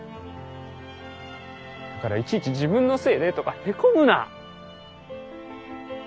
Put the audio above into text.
だからいちいち「自分のせいで」とかへこむな！